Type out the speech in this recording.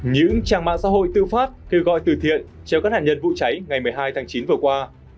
những trang mạng xã hội tư pháp kêu gọi từ thiện cho các nạn nhân vụ cháy ngày một mươi hai tháng chín vừa qua